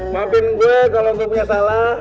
maafin gue kalau punya salah